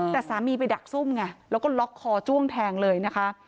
แต่สามีไปดักซุ่มไงแล้วก็ล็อกคอจ้วงแทงเลยนะคะ